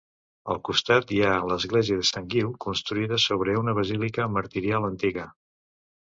Al costat hi ha l'església de Sant Guiu, construïda sobre una basílica martirial antiga.